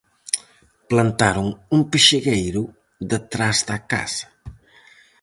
Plantaron un pexegueiro detrás da casa.